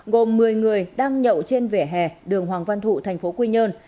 gồm một mươi người đang nhậu trên vẻ hè đường hoàng văn thụ tp quy nhơn